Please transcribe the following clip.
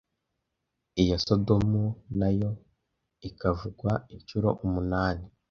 iya Sodomu na yo ikavugwa incuro umunani